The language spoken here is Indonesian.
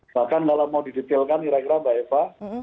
bahkan kalau mau didetailkan kira kira mbak eva